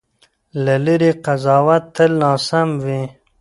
له لرې قضاوت تل ناسم وي.